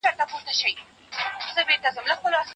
خلګو ته د کار زمينې برابرې سوي.